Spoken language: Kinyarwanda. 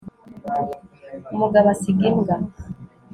umugabo asiga imbwa